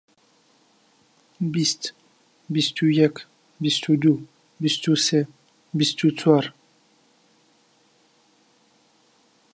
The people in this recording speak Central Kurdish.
بیست، بیست و یەک، بیست و دوو، بیست و سێ، بیست و چوار.